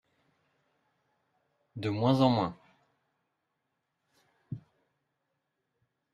De moins en moins.